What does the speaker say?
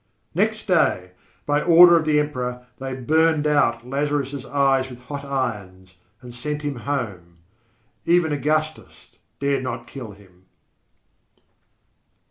Next day, by order of the Emperor, they burned out Lazarus' eyes with hot irons and sent him home. Even Augustus dared not kill him.